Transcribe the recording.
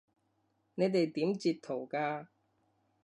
你哋點截圖㗎？